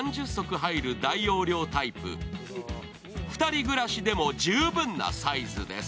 ２人暮らしでも十分なサイズです